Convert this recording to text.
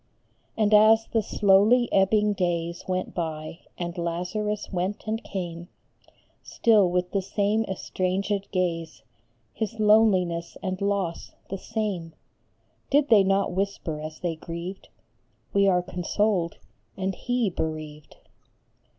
And as the slowly ebbing days Went by, and Lazarus went and came Still with the same estranged gaze, His loneliness and loss the same, Did they not whisper as they grieved, " We are consoled and he bereaved